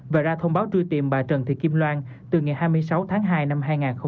và ra thông báo truy tìm bà trần thị kim loan từ ngày hai mươi sáu tháng hai năm hai nghìn hai mươi